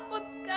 inah takut kang